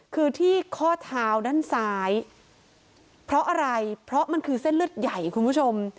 คือที่ข้อเท้าด้านซ้ายเพราะอะไรเพราะมันคือเส้นเลือดใหญ่คุณผู้ชม